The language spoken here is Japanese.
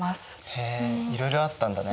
へえいろいろあったんだね。